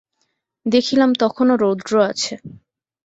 দেখিলাম, তখনো রৌদ্র আছে।